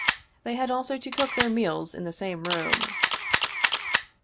They had also to cook their meals in the same room.